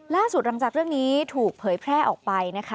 หลังจากเรื่องนี้ถูกเผยแพร่ออกไปนะคะ